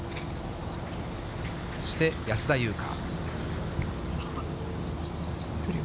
そして安田祐香。